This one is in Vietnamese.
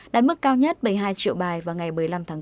đạt mức cao nhất bảy mươi hai triệu bài vào ngày một mươi năm tháng bốn